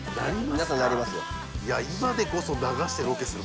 皆さんなりますよ